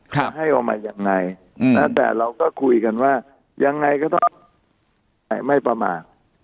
จะให้ออกมายังไงแต่เราก็คุยกันว่ายังไงก็ต้องไม่ประมาท